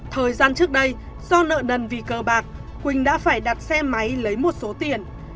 thời gian trước đây do nợ nần vì cờ bạc quỳnh đã phải đặt xe máy lấy một số tiền